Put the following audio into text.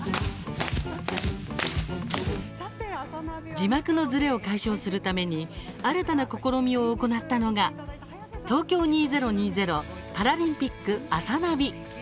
字幕のズレを解消するために新たな試みを行ったのが「東京２０２０パラリンピックあさナビ」。